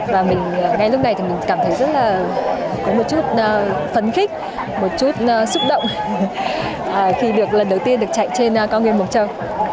và ngay lúc này thì mình cảm thấy rất là có một chút phấn khích một chút xúc động khi được lần đầu tiên được chạy trên cao nguyên mộc châu